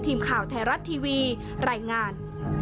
ทีมข่าวไทยรัฐทีวีรายงาน